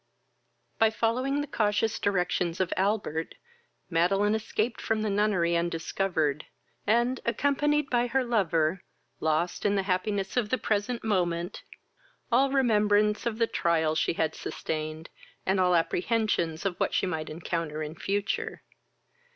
By following the cautious directions of Albert, Madeline escaped from the nunnery undiscovered, and, accompanied by her lover, lost, in the happiness of the present moment, all remembrance of the trials she had sustained, and all apprehensions of what she might encounter in future.